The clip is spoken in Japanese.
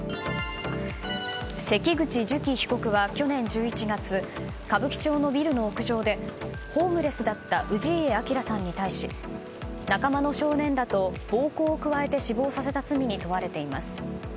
関口寿喜被告は去年１１月歌舞伎町のビルの屋上でホームレスだった氏家彰さんに対し仲間の少年らと暴行を加えて死亡させた罪に問われています。